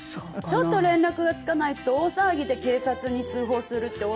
ちょっと連絡がつかないと大騒ぎで「警察に通報する」って。